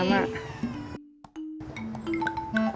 makasih ya kek